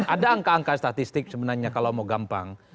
ada angka angka statistik sebenarnya kalau mau gampang